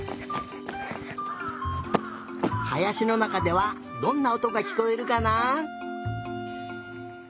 はやしのなかではどんなおとがきこえるかな？